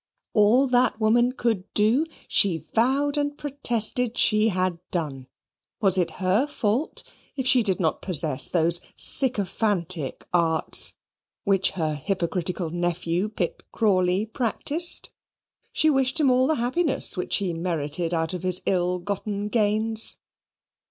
All that woman could do, she vowed and protested she had done. Was it her fault if she did not possess those sycophantic arts which her hypocritical nephew, Pitt Crawley, practised? She wished him all the happiness which he merited out of his ill gotten gains.